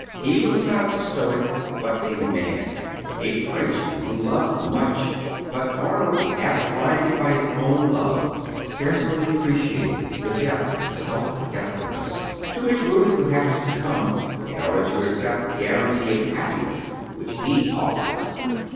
He was not a stoic, but a man, a Frenchman, who loved much; but Arnold, half blinded by his own love, scarcely appreciated the depths of self forgetfulness to which Ruth would have to succumb in order to accept the guaranty of happiness which he offered her.